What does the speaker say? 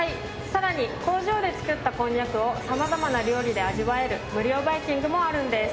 さらに工場で作ったこんにゃくを様々な料理で味わえる無料バイキングもあるんです。